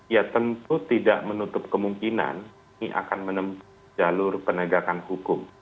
ya tentu tidak menutup kemungkinan ini akan menempuh jalur penegakan hukum